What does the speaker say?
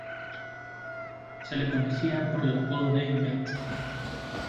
Se le conocía por el apodo de "Met".